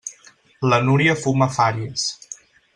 La Núria fuma fàries.